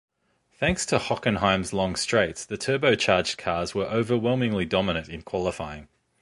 Thanks to Hockenheim's long straights, the turbo-charged cars were overwhelmingly dominant in qualifying.